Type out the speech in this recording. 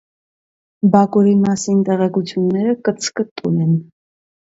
Բակուրի մասին տեղեկությունները կցկտուր են։